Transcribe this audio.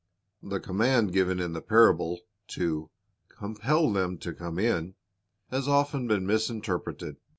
The command given in the parable, to "compel them to come in," has often been misinterpreted.